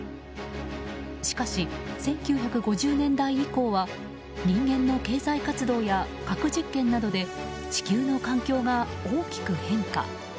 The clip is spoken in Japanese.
しかし、１９５０年代以降は人間の経済活動や核実験などで地球の環境が大きく変化。